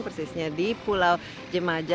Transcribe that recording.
persisnya di pulau jemaja